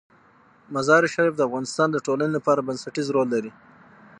مزارشریف د افغانستان د ټولنې لپاره بنسټيز رول لري.